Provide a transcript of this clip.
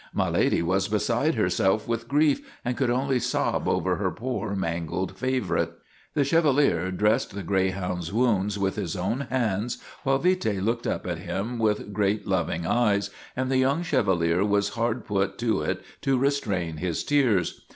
My Lady was beside herself with grief and could only sob over her poor, mangled favorite. The Chevalier dressed the greyhound's wounds with his own hands, while Vite looked up at him with great, loving eyes, and the young Chevalier was hard put to it to restrain his tears.